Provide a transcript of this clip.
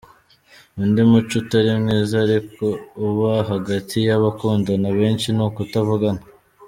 Undi muco utari mwiza ariko uba hagati y’abakundana benshi ni ukutavugana.